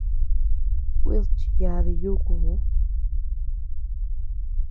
Kuid chiyadi yúku.